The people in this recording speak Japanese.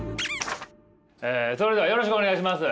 それではよろしくお願いします。